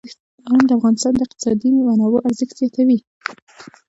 باران د افغانستان د اقتصادي منابعو ارزښت زیاتوي.